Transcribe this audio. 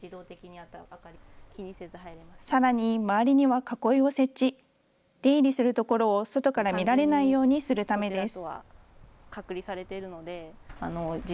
さらに、周りには囲いを設置、出入りするところを外から見られないようにするためです。